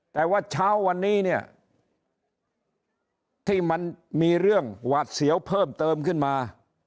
แต่ว่าเช้าวันนี้เนี่ยที่มันมีเรื่องหวาดเสียวเพิ่มเติมขึ้นมา